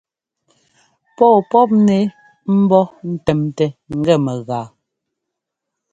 Pɔ̂ɔ pɔ́pnɛ ḿbó ńtɛ́mtɛ ngɛ mɛgaa.